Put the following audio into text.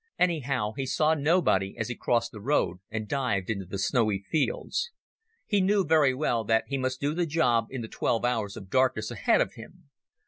Anyhow he saw nobody as he crossed the road and dived into the snowy fields. He knew very well that he must do the job in the twelve hours of darkness ahead of him.